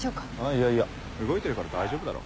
いやいや動いてるから大丈夫だろ。